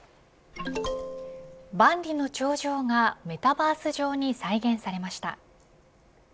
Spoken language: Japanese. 万里の長城がメタバース上に再現されました。